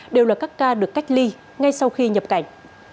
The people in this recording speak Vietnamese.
đều là các ca được cách ly ngay sau khi nhập cảnh